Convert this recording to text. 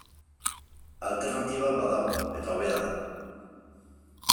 Alternatiba badago, eta hobea da.